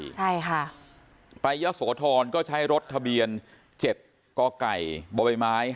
ใช่ค่ะไปเยาะโสธรก็ใช้รถทะเบียน๗กกบม๕๑๒๕